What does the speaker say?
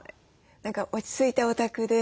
何か落ち着いたお宅で。